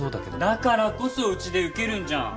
だからこそうちで受けるんじゃん。